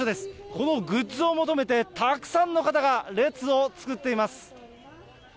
このグッズを求めてたくさんの方が列を作っています。